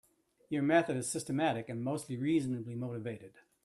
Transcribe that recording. Your method is systematic and mostly reasonably motivated.